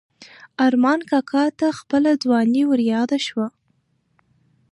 ارمان کاکا ته خپله ځواني وریاده شوه.